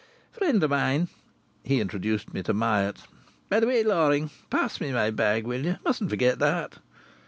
"Friend of mine," he introduced me to Myatt. "By the way, Loring, pass me my bag, will you? Mustn't forget that."